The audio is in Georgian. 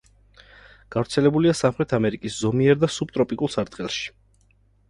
გავრცელებულია სამხრეთ ამერიკის ზომიერ და სუბტროპიკულ სარტყელში.